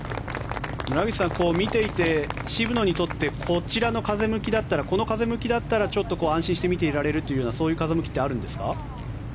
村口さん、見ていて渋野にとってこちらの風向きだったらこの風向きだったらちょっと安心して見ていられるというようなそういう風向きってあるんですか？